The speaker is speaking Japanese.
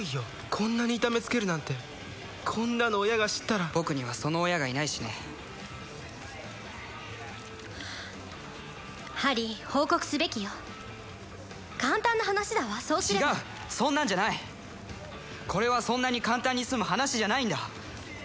こんなに痛めつけるなんてこんなの親が知ったら僕にはその親がいないしねハリー報告すべきよ簡単な話だわそうすれば違うそんなんじゃないこれはそんなに簡単にすむ話じゃないんだ